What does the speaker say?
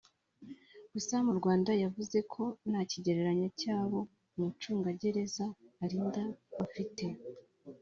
Gusa mu Rwanda yavuze ko nta kigereranyo cy’abo umucungagereza arinda bafite